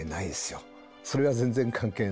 それは全然関係ないです。